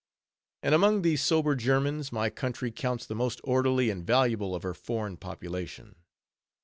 And among these sober Germans, my country counts the most orderly and valuable of her foreign population.